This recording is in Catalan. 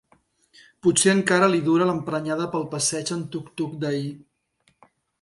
Potser encara li dura l'emprenyada pel passeig en tuc tuc d'ahir.